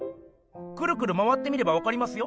くるくる回って見ればわかりますよ。